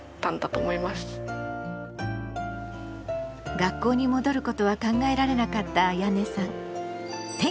学校に戻ることは考えられなかったあやねさん。